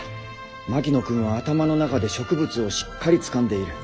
槙野君は頭の中で植物をしっかりつかんでいる。